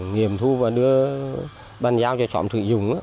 nghiệm thu và đưa bần giao cho trọng sử dụng